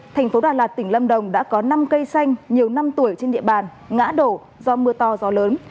thành phố đà lạt tỉnh lâm đồng đã có năm cây xanh nhiều năm tuổi trên địa bàn ngã đổ do mưa to gió lớn